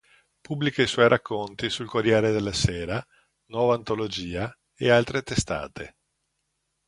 Pubblica i suoi racconti sul Corriere della Sera, Nuova Antologia e altre testate.